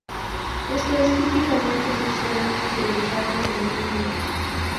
Esto es típicamente más grande que el radio del núcleo.